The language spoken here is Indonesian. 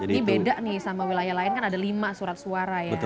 ini beda nih sama wilayah lain kan ada lima surat suara ya